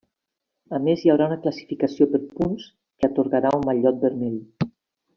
A més, hi haurà una classificació per punts, que atorgarà un mallot vermell.